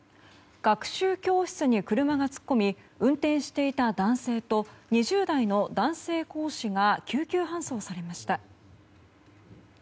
学習教室に車が突っ込み運転していた男性と２０代の男性講師が救急搬送されました。